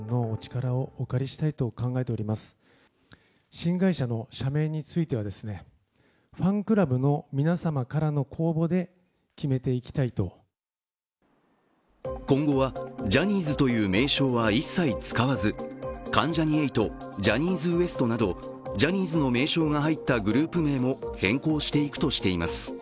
新会社の社名については今後は、ジャニーズという名称は一切使わず、関ジャニ∞、ジャニーズＷＥＳＴなどジャニーズの名称が入ったグループ名も変更していくとしています。